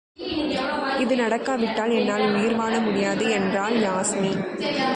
இது நடக்காவிட்டால் என்னால் உயிர்வாழ முடியாது என்றாள் யாஸ்மி.